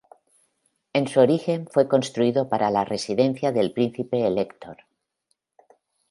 En su origen, fue construido para la residencia del Príncipe Elector.